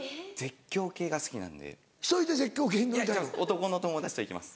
男の友達と行きます。